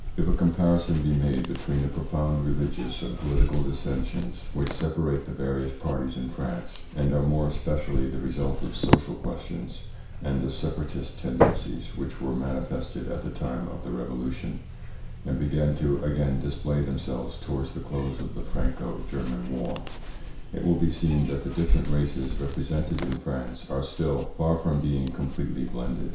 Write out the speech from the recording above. If a comparison be made between the profound religious and political dissensions which separate the various parties in France, and are more especially the result of social questions, and the separatist tendencies which were manifested at the time of the Revolution, and began to again display themselves towards the close of the Franco German war, it will be seen that the different races represented in France are still far from being completely blended.